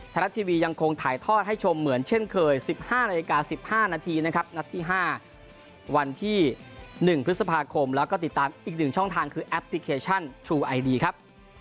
ไทยรัฐทีวียังคงถ่ายทอดให้ชมเหมือนเช่นเคย๑๕นาฬิกา๑๕นาทีนะครับนัดที่๕วันที่๑พฤษภาคมแล้วก็ติดตามอีก๑ช่องทางคือแอปพลิเคชันชูไอดีครับ